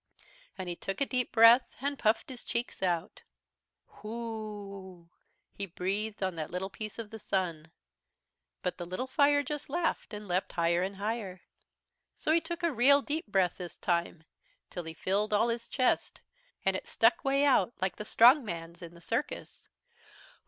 "And he took a deep breath and puffed his cheeks out. "Whurrrooooo! he breathed on that little piece of the Sun. "But the little fire just laughed and leaped higher and higher. "So he took a real deep breath this time, till he filled all his chest, and it stuck way out like the strong man's in the circus.